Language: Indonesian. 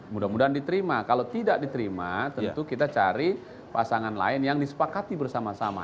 mudah mudahan diterima kalau tidak diterima tentu kita cari pasangan lain yang disepakati bersama sama